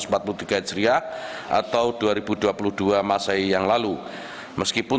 pertama bpih tahun dua ribu empat belas dua ribu lima belas